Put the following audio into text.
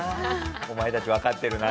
「お前たちわかってるな？」